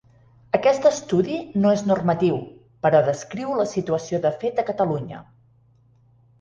Aquest estudi no és normatiu, però descriu la situació de fet a Catalunya.